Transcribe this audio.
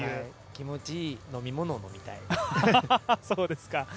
気持ちいい飲み物みたいな。